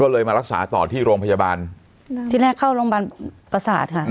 ก็เลยมารักษาต่อที่โรงพยาบาลที่แรกเข้าโรงพยาบาลประสาทค่ะ